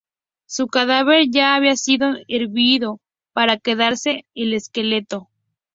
Su cadáver ya había sido hervido para quedarse el esqueleto.